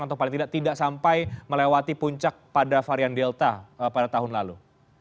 atau paling tidak tidak sampai melewati puncak pada varian delta pada tahun lalu